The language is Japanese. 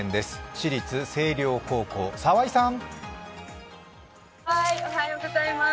私立星稜高校、澤井さん。